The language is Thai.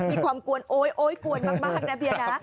มีความกวนโอ๊ยโอ๊ยกวนมากนะเบียนะ